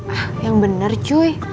ah yang bener cuy